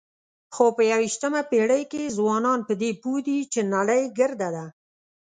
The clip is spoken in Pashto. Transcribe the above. خو په یوویشتمه پېړۍ کې ځوانان په دې پوه دي چې نړۍ ګرده ده.